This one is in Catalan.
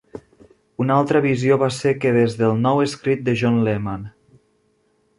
Una altra visió va ser que des del "nou escrit" de John Lehmann.